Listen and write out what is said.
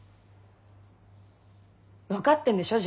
分かってんでしょ？